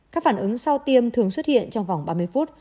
các phản ứng sau tiêm thường xuất hiện trong vòng ba mươi phút